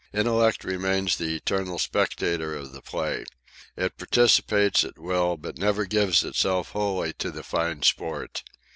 Intellect remains the eternal spectator of the play. It participates at will, but never gives itself wholly to the fine sport.